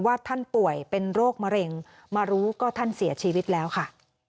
ท่านป่วยเป็นโรคมะเร็งมารู้ก็ท่านเสียชีวิตแล้วค่ะ